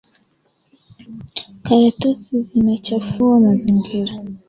Karatasi zinachafua mazingira